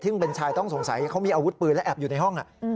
ซึ่งเป็นชายต้องสงสัยเขามีอาวุธปืนและแอบอยู่ในห้อง